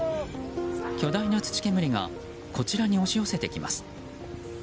巨大な土煙がこちらに押し寄せてきます。